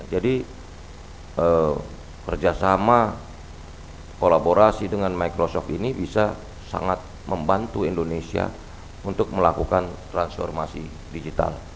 jadi kerjasama kolaborasi dengan microsoft ini bisa sangat membantu indonesia untuk melakukan transformasi digital